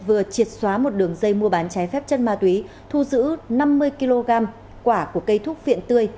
vừa triệt xóa một đường dây mua bán trái phép chất ma túy thu giữ năm mươi kg quả của cây thuốc viện tươi